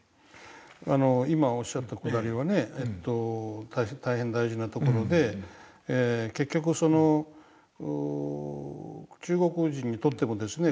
今おっしゃったくだりはね大変大事なところで結局中国人にとってもですね